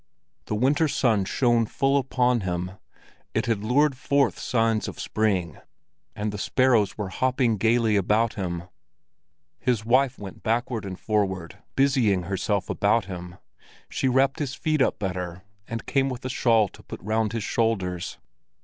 The winter sun shone full upon him; it had lured forth signs of spring, and the sparrows were hopping gaily about him. His wife went backward and forward, busying herself about him; she wrapped his feet up better, and came with a shawl to put round his shoulders.